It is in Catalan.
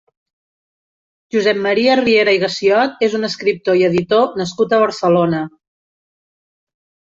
Josep Maria Riera i Gassiot és un escriptor i editor nascut a Barcelona.